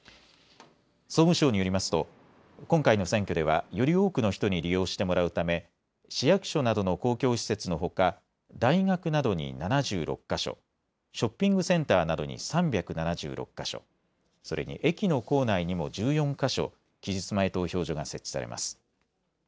総務省によりますと今回の選挙ではより多くの人に利用してもらうため市役所などの公共施設のほか大学などに７６か所、ショッピングセンターなどに３７６か所、それに駅の構内にも１４か所期日前投票所が設置されます。